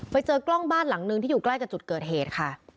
ไปเจอกล้องบ้านหลังนึงที่อยู่ใกล้กับจุดเกิดเหตุค่ะ